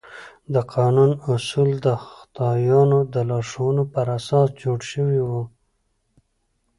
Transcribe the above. د قانون اصول د خدایانو د لارښوونو پر اساس جوړ شوي وو.